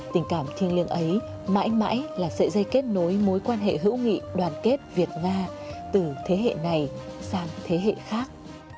tình cảm thiêng liêng ấy mãi mãi là sợi dây kết nối mối quan hệ hữu nghị đoàn kết việt nga từ thế hệ này sang thế hệ khác